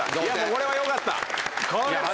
これはよかった。